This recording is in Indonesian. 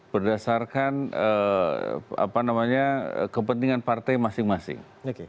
berdasarkan kepentingan partai masing masing